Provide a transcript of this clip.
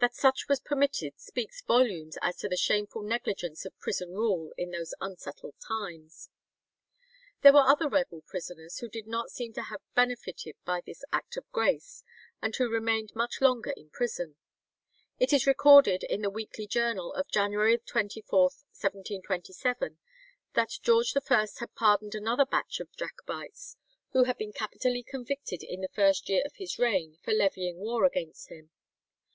That such was permitted speaks volumes as to the shameful negligence of prison rule in those unsettled times. There were other rebel prisoners, who do not seem to have benefited by this Act of Grace, and who remained much longer in prison. It is recorded in the Weekly Journal, of January 24th, 1727, that George I had pardoned another batch of Jacobites, who had been capitally convicted in the first year of his reign for levying war against him.